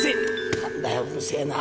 「なんだようるせえな」